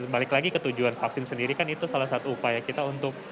balik lagi ke tujuan vaksin sendiri kan itu salah satu upaya kita untuk